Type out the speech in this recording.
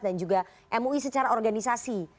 dan juga mui secara organisasi